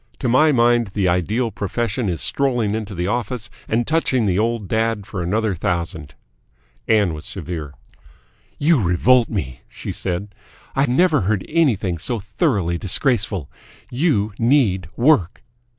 To my mind the ideal profession is strolling into the office and touching the old dad for another thousand." Ann was severe. "You revolt me!" she said. "I never heard anything so thoroughly disgraceful. You need work!"